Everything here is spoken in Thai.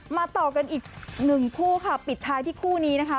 ต่อกันอีกหนึ่งคู่ค่ะปิดท้ายที่คู่นี้นะคะ